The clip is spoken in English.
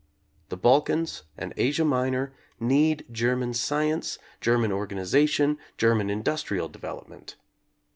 The Balkans and Asia Minor need German sci ence, German organization, German industrial de velopment.